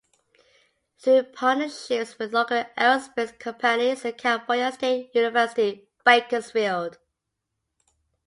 Through partnerships with local aerospace companies, and California State University, Bakersfield.